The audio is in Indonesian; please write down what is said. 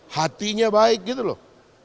hatinya baik gitu loh